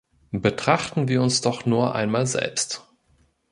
Betrachten wir uns doch nur einmal selbst.